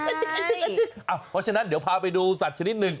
เพราะฉะนั้นเดี๋ยวพาไปดูสัตว์ชนิดหนึ่ง